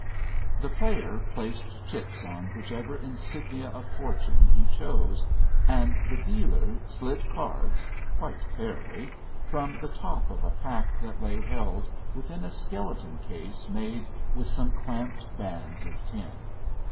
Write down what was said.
The player placed chips on whichever insignia of fortune he chose, and the dealer slid cards (quite fairly) from the top of a pack that lay held within a skeleton case made with some clamped bands of tin.